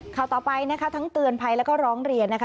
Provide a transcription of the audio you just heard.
ข่าวต่อไปนะคะทั้งเตือนภัยแล้วก็ร้องเรียนนะคะ